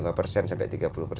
harus menjual produk umkm